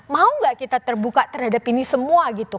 mau gak kita terbuka terhadap ini semua gitu